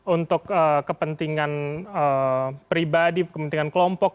untuk kepentingan pribadi kepentingan kelompok